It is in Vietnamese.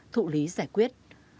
thụ lý giải quyết